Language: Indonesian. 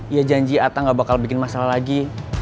iya janji ata gak bakal bikin masalah lagi